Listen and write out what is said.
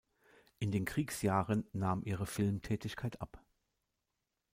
In den Kriegsjahren nahm ihre Filmtätigkeit ab.